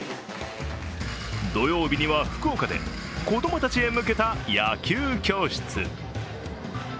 土曜日には福岡で子供たちへ向けた野球教室。